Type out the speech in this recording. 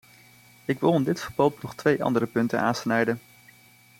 Ik wil in dit verband nog twee andere punten aansnijden.